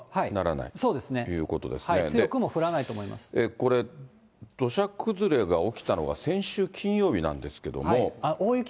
これ、土砂崩れが起きたのが先週金曜日なんですけれども。